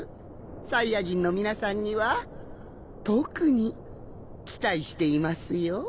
サイヤ人の皆さんには特に期待していますよ。